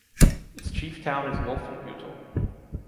Its chief-town is Wolfenbüttel.